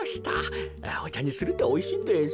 おちゃにするとおいしいんです。